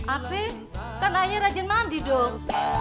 apa kan ayah rajin mandi dong